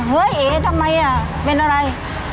เฮ้ยเอ๊ยทำไมอะเป็นอะไร